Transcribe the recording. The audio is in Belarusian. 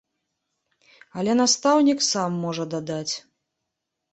Але настаўнік сам можа дадаць.